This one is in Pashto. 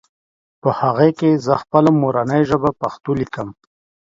په هغې کې زهٔ خپله مورنۍ ژبه پښتو ليکم